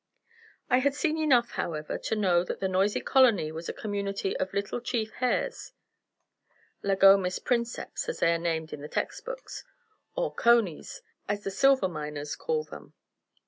I had seen enough, however, to know that the noisy colony was a community of Little Chief hares (Lagomys princeps, as they are named in the textbooks), or "conies," as the silver miners call them.